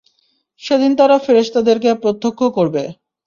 সেদিন তারা ফেরেশতাদেরকে প্রত্যক্ষ করবে।